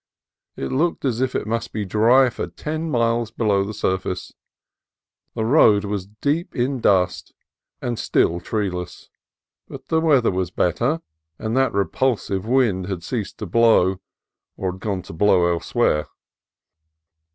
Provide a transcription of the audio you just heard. It looked as if it must be dry for ten miles below the surface. The road was deep in dust, and still tree less; but the weather was better, and that repul sive wind had ceased to blow or had gone to blow elsewhere.